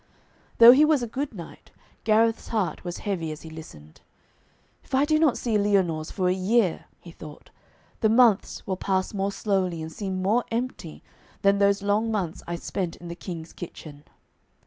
Though he was a good knight, Gareth's heart was heavy as he listened. 'If I do not see Lyonors for a year,' he thought, 'the months will pass more slowly and seem more empty than those long months I spent in the King's kitchen.'